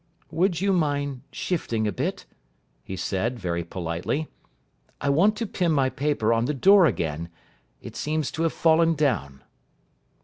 "Would you mind shifting a bit?" he said very politely. "I want to pin my paper on the door again. It seems to have fallen down."